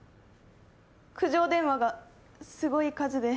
苦情電話がすごい数で。